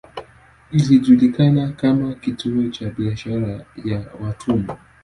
Ilijulikana kama kituo cha biashara ya watumwa.